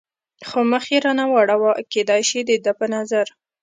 خو مخ یې را نه واړاوه، کېدای شي د ده په نظر.